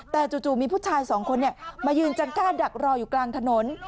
แต่จู่มีผู้ชายสองคนมายืนจังกล้าดักรออยู่กลางถนน